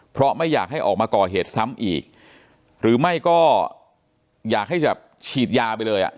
เพราะไม่อยากให้ออกมาก่อเหตุซ้ำอีกหรือไม่ก็อยากให้แบบฉีดยาไปเลยอ่ะ